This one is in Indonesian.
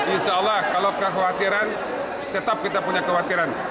insya allah kalau kekhawatiran tetap kita punya kekhawatiran